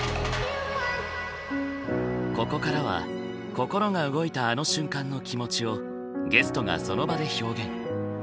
ここからは心が動いたあの瞬間の気持ちをゲストがその場で表現。